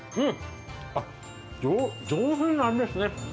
上品な味ですね